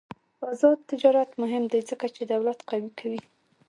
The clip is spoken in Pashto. آزاد تجارت مهم دی ځکه چې دولت قوي کوي.